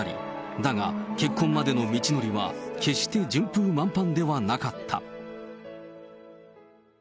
だが、結婚までの道のりは決して順風満帆ではなかった。